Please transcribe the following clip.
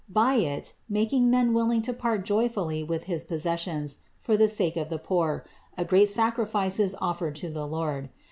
By it, making man willing to part joyfully with his possessions for the sake of the poor, a great sacrifice is offered to the Lord.